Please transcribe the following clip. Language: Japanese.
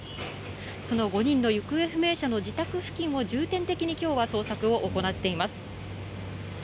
その５人の行方不明者の自宅付近を重点的にきょうは捜索を行っています。